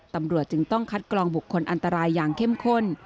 ตำรวจจึงต้องคัดกรองบุคคลอันตรายอย่างเข้มข้น